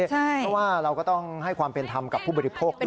เพราะว่าเราก็ต้องให้ความเป็นธรรมกับผู้บริโภคด้วย